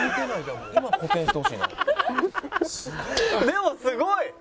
でもすごい！